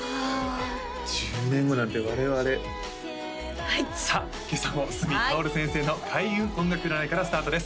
１０年後なんて我々はいさあ今朝も角かおる先生の開運音楽占いからスタートです